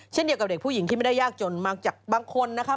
เช่นเดียวกับเด็กผู้หญิงที่ไม่ได้ยากจนมาจากบางคนนะคะ